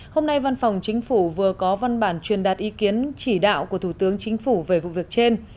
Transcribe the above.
hôm nay văn phòng chính phủ vừa có văn bản truyền đạt ý kiến chỉ đạo của thủ tướng chính phủ về vụ việc trên